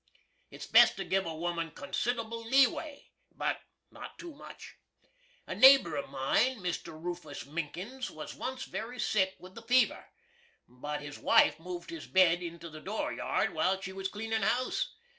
It's best to give a woman considerable lee way. But not too much. A naber of mine, Mr. Roofus Minkins, was once very sick with the fever, but his wife moved his bed into the door yard while she was cleanin' house.